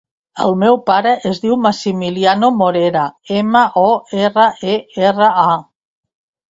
El meu pare es diu Maximiliano Morera: ema, o, erra, e, erra, a.